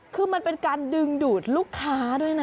คือมันเป็นการดึงดูดลูกค้าด้วยนะ